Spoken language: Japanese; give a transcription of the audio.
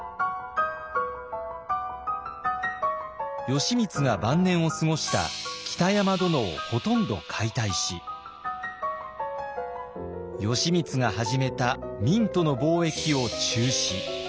義満が晩年を過ごした北山殿をほとんど解体し義満が始めた明との貿易を中止。